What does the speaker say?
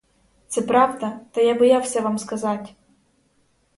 Це правда, та я боявся вам сказать!